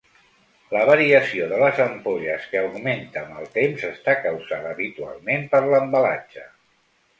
La variació de les ampolles que augmenta amb el temps està causada habitualment per l'embalatge.